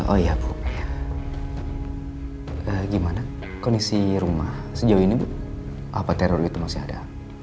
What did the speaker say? oh iya bu gimana kondisi rumah sejauh ini bu apa teror itu masih ada